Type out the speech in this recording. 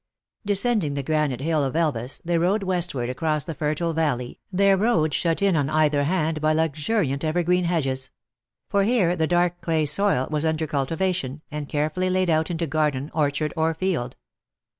Descending the granite hill of Elvas, they rode westward across the fertile valley, their road shut in on either hand by luxuriant evergreen hedges ; for here the dark clay soil was all under cultivation, and carefully laid out into garden, orchard, or field.